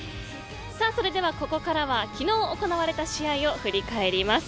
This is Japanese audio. さあ、それではここからは昨日行われた試合を振り返ります。